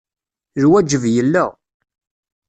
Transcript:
Lwajeb yella.